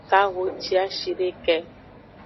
Kahociashideke.